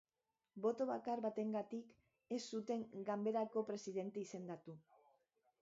Boto bakar batengatik ez zuten ganberako presidente izendatu.